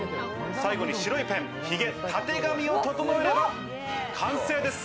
最後に白いペンでひげ、たてがみを整えれば完成です。